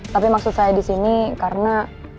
tapi maksud saya disini karena